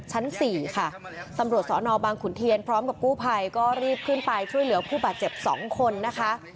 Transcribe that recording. สี่ค่ะตำรวจสอนอบางขุนเทียนพร้อมกับกู้ภัยก็รีบขึ้นไปช่วยเหลือผู้บาดเจ็บ๒คนนะคะ